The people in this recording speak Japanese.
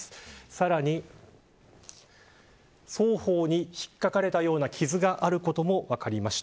さらに、双方に引っかかれたような傷があることも分かりました。